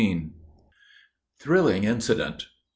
THRILLING INCIDENT.